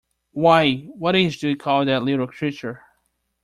Why, what age do you call that little creature?